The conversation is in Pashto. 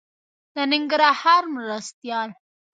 د ننګرهار مرستيال